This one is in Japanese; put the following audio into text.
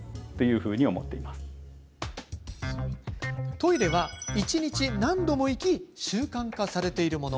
トイレは一日何度も行き習慣化されているもの。